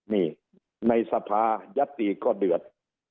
นี่ในสภายัตติก็เดือด